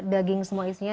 daging semua isinya